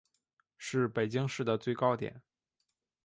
是北京市的最高点。